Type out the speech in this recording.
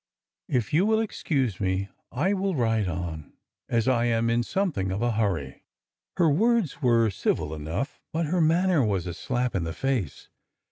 If you will ex cuse me, I will ride on, as I am in something of a hurry." Her words were civil enough, but her manner was a slap in the face.